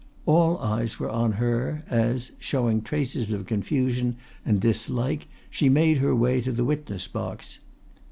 All eyes were on her as, showing traces of confusion and dislike, she made her way to the witness box.